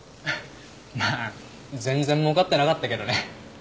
まあ全然儲かってなかったけどね。